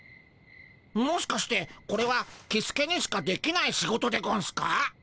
もしかしてこれはキスケにしかできない仕事でゴンスか？